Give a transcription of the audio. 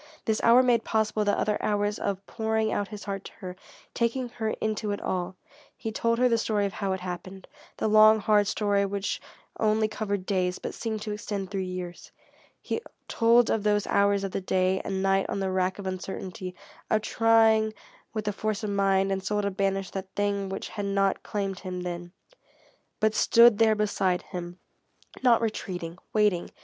This hour made possible the other hours of pouring out his heart to her, taking her into it all. He told her the story of how it happened, the long, hard story which only covered days, but seemed to extend through years. He told of those hours of the day and night on the rack of uncertainty, of trying with the force of mind and soul to banish that thing which had not claimed him then, but stood there beside him, not retreating, waiting.